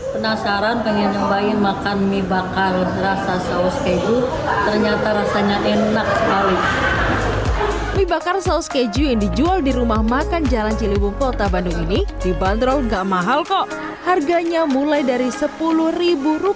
penasaran pengen ngebayang makan mie bakar rasa saus keju ternyata rasanya enak sekali